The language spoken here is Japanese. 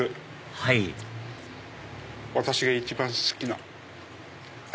はい私が一番好きな味。